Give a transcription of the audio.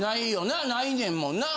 ないねんもんな。